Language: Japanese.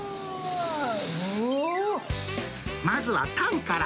まずはタンから。